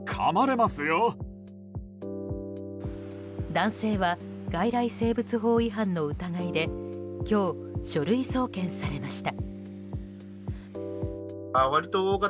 男性は外来生物法違反の疑いで今日、書類送検されました。